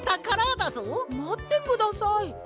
まってください。